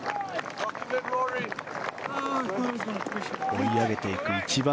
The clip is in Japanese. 追い上げていく１番